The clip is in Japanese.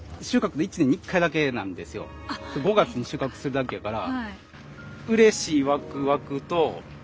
５月に収穫するだけやから。